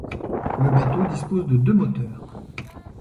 Le bateau dispose de deux moteurs.